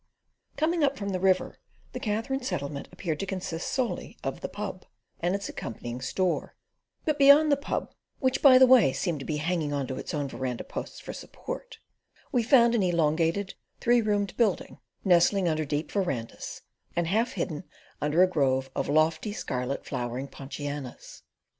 Coming up from the river, the Katherine Settlement appeared to consist solely of the "Pub" and its accompanying store; but beyond the "Pub," which, by the way, seemed to be hanging on to its own verandah posts for support, we found an elongated, three roomed building, nestling under deep verandahs, and half hidden beneath a grove of lofty scarlet flowering ponchianas.